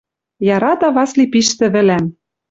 Ярата Васли пиш тӹвӹлӓм.